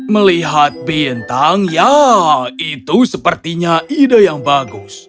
melihat bintang ya itu sepertinya ide yang bagus